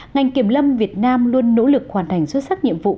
ngành kiểm lâm việt nam luôn nỗ lực hoàn thành xuất sắc nhiệm vụ